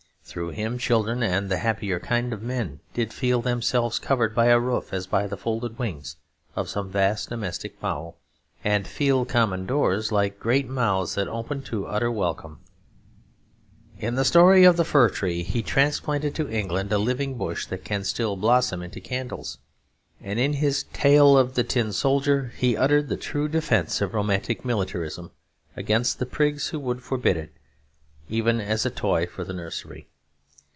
Through him children and the happier kind of men did feel themselves covered by a roof as by the folded wings of some vast domestic fowl; and feel common doors like great mouths that opened to utter welcome. In the story of "The Fir Tree" he transplanted to England a living bush that can still blossom into candles. And in his tale of "The Tin Soldier" he uttered the true defence of romantic militarism against the prigs who would forbid it even as a toy for the nursery.